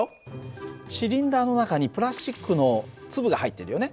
シリンダーの中にプラスチックの粒が入ってるよね。